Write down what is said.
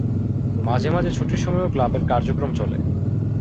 মাঝেমাঝে ছুটির সময়ও ক্লাবের কার্যক্রম চলে।